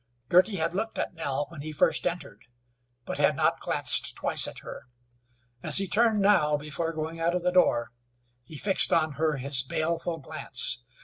Girty had looked at Nell when he first entered, but had not glanced twice at her. As he turned now, before going out of the door, he fixed on her his baleful glance.